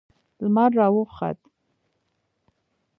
لمر راوخوت